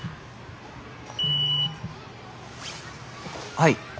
はい。